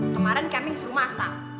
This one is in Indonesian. kemarin kerming suruh masak